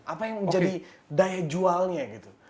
apa yang menjadi daya jualnya gitu